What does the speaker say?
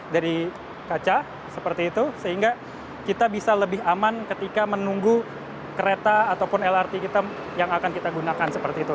dari kaca seperti itu sehingga kita bisa lebih aman ketika menunggu kereta ataupun lrt kita yang akan kita gunakan seperti itu